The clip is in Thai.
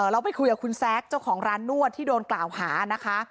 เราไปคุยกับคุณแซคเจ้าของร้านนวดที่โดนกล่าวหานะคะ